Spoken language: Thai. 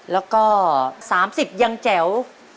แล้วก็๓๐ยังแจ๋ว